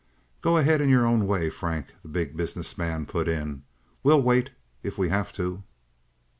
"Go ahead in your own way, Frank," the Big Business Man put in. "We'll wait if we have to."